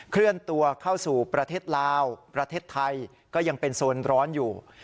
เคลื่อนตัวเข้าสู่ประเทศลาวประเทศไทยก็ยังเป็นโซนร้อนอยู่